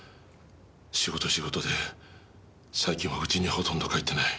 仕事仕事で最近は家にほとんど帰ってない。